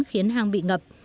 khiến hàng bị ngập